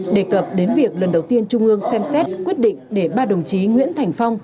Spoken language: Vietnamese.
đề cập đến việc lần đầu tiên trung ương xem xét quyết định để ba đồng chí nguyễn thành phong